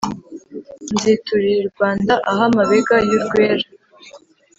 Nziturira i Rwanda Aho amabega y'urwera